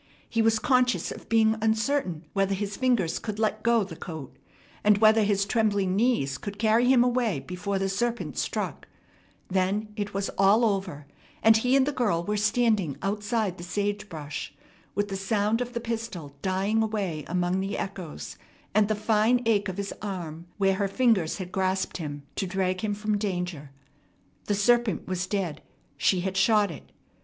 He was conscious of being uncertain whether his fingers could let go the coat, and whether his trembling knees could carry him away before the serpent struck; then it was all over, and he and the girl were standing outside the sage brush, with the sound of the pistol dying away among the echoes, and the fine ache of his arm where her fingers had grasped him to drag him from danger. The serpent was dead. She had shot it.